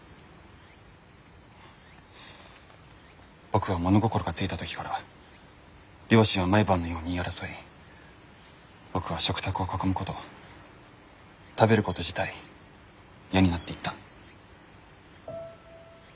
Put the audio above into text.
僕は物心が付いた時から両親は毎晩のように言い争い僕は食卓を囲むこと食べること自体嫌になっていった。